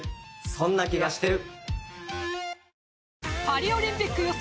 そんな気がしてる。